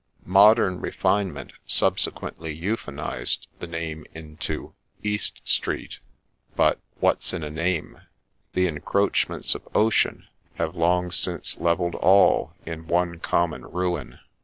Modern refine ment subsequently euphonized the name into ' East Street ;' but ' what 's in a name ?' the encroachments of Ocean have long since levelled all in one common ruin.